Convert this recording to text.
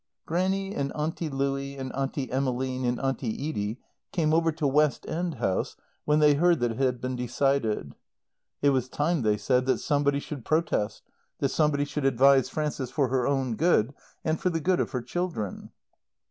Grannie and Auntie Louie and Auntie Emmeline and Auntie Edie came over to West End House when they heard that it had been decided. It was time, they said, that somebody should protest, that somebody should advise Frances for her own good and for the good of her children.